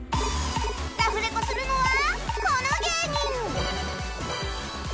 ラフレコするのはこの芸人